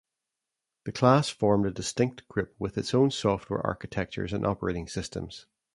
The class formed a distinct group with its own software architectures and operating systems.